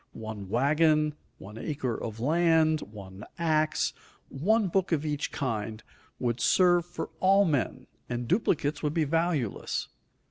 One wagon, one acre of land, one ax, one book of each kind, would serve for all men, and duplicates would be valueless.